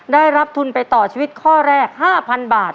ได้รับทุนไปต่อชีวิตข้อแรก๕๐๐๐บาท